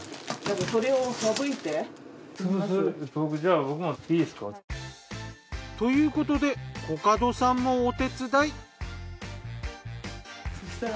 だけどそれを省いて。ということでコカドさんもお手伝い。